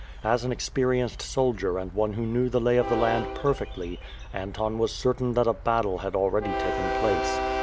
As an experienced soldier and one who knew the lay of the land perfectly, Anton was certain that a battle had already taken place.